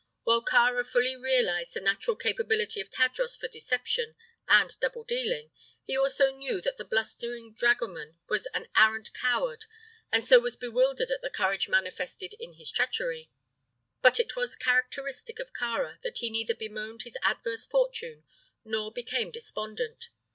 While Kāra fully realized the natural capability of Tadros for deception and double dealing, he also knew that the blustering dragoman was an arrant coward, and so was bewildered at the courage manifested in his treachery. But it was characteristic of Kāra that he neither bemoaned his adverse fortune nor became despondent.